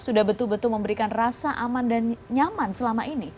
sudah betul betul memberikan rasa aman dan nyaman selama ini